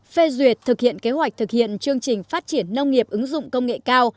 phê duyệt thực hiện kế hoạch thực hiện chương trình phát triển nông nghiệp ứng dụng công nghệ cao